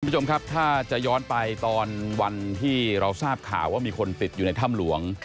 คุณผู้ชมครับถ้าจะย้อนไปตอนวันที่เราทราบข่าวว่ามีคนติดอยู่ในถ้ำหลวง